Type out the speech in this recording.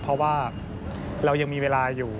เพราะว่าเรายังมีเวลาอยู่